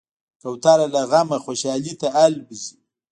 کوتره له غم نه خوشحالي ته الوزي.